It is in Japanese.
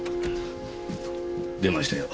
出ましたよ